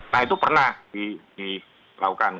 nah itu pernah dilakukan